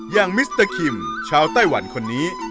ยังมิสเตอร์คิ่มเช้าไต้หวันคนนี้